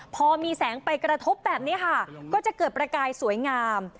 พอมีแสงไปกระทบแบบนี้ค่ะก็จะเกิดประกายสวยงาม